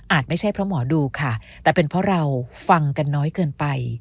ไม่ใช่เพราะหมอดูค่ะแต่เป็นเพราะเราฟังกันน้อยเกินไป